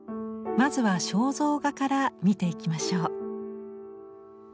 まずは肖像画から見ていきましょう。